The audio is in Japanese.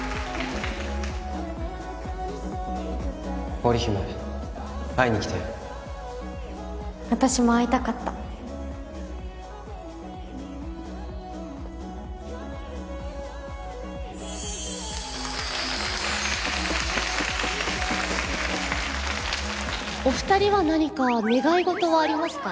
織姫会いに来たよ私も会いたかったお二人は何か願い事はありますか？